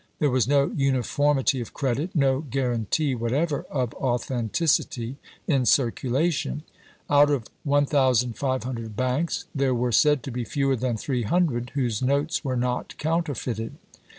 There was no uniformity of credit, no guaranty whatever of authenticity in circulation. Out of 1500 banks there were said to be fewer than 300 whose notes were not counterfeited.